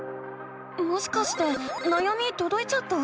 もしかしてなやみとどいちゃった？